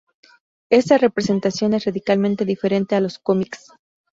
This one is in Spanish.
Esta representación es radicalmente diferente a los cómics.